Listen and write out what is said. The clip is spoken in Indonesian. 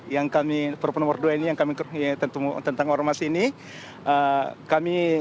yang kami perpu nomor dua ini yang kami tentu tentang ormas ini